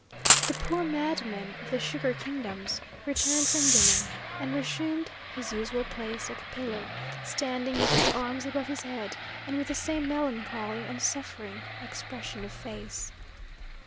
The poor madman of the sugar kingdoms returned from dinner, and resumed his usual place at the pillar, standing with his arms above his head, and with the same melancholy and suffering expression of face.